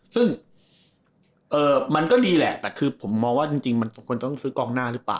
ซึ่งมันก็ดีแหละแต่คือผมมองว่าจริงมันควรต้องซื้อกองหน้าหรือเปล่า